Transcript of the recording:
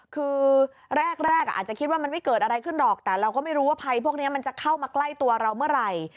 คือแรกอาจจะคิดว่ามันไม่เกิดอะไรขึ้นหรอกแต่เราก็ไม่รู้ว่าภัยพวกนี้มันจะเข้ามาใกล้ตัวเราเมื่อไหร่